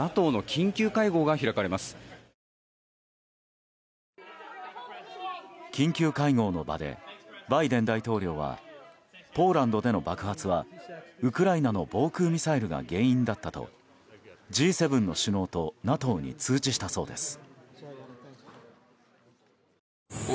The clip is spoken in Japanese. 緊急会合の場でバイデン大統領はポーランドでの爆発はウクライナの防空ミサイルが原因だったとＧ７の首脳とＮＡＴＯに通知したそうです。